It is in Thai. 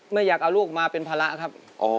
ไม่อยากเอาลูกมาเป็นภาระครับ